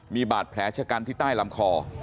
มีบาดแผลชะกันที่ใต้ลำคอ